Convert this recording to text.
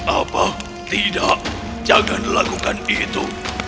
apa tidak jangan lakukan itu